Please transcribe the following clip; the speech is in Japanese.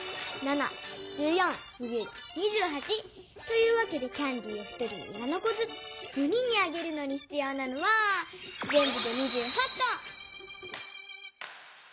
７１４２１２８。というわけでキャンディーを１人に７こずつ４人にあげるのにひつようなのはぜんぶで２８こ！